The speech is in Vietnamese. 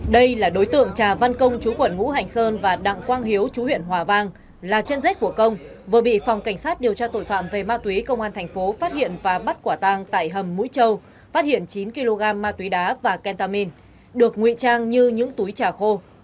đây là đối tượng trà văn công chú quận ngũ hành sơn và đặng quang hiếu chú huyện hòa vang là chân rết của công vừa bị phòng cảnh sát điều tra tội phạm về ma túy công an thành phố phát hiện và bắt quả tang tại hầm mũi châu phát hiện chín kg ma túy đá và kentamin được nguy trang như những túi trà khô